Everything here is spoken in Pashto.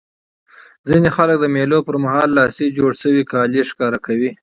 ځيني خلک د مېلو پر مهال خپلي لاسي جوړ سوي کالي ښکاره کوي.